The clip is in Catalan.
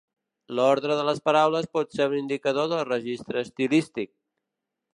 L'ordre de les paraules pot ser un indicador del registre estilístic.